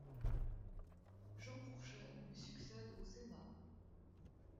Jean Pourchet lui succède au Sénat.